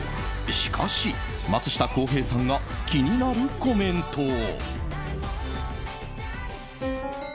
しかし、松下洸平さんが気になるコメントを。